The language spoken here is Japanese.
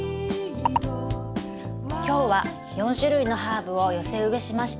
「今日は４種類のハーブを寄せ植えしました。